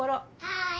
はい！